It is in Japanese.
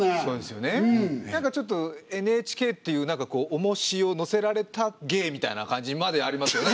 何かちょっとＮＨＫっていうおもしをのせられた芸みたいな感じまでありますよね。